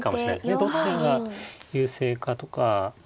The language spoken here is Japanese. どちらが優勢かとかまあ